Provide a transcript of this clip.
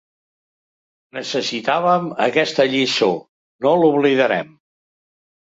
Necessitàvem aquesta lliçó, no l'oblidarem.